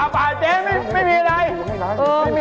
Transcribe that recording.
บ่ายเจ๊ไม่มีอะไร